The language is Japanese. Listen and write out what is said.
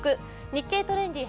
「日経トレンディ」